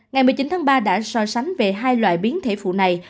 ngày một mươi chín tháng ba đã so sánh về hai loại biến thể phụ này